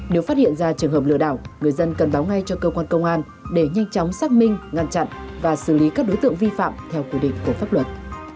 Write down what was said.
nếu phát hiện ra trường hợp lừa đảo người dân cần báo ngay cho cơ quan công an để nhanh chóng xác minh ngăn chặn và xử lý các đối tượng vi phạm theo quy định của pháp luật